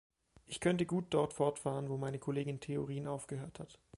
Ich könnte gut dort fortfahren, wo meine Kollegin Theorin aufgehört hat.